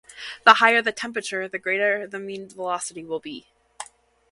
The higher the temperature, the greater the mean velocity will be.